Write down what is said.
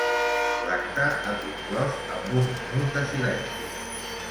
L'acte ha conclòs amb un minut de silenci.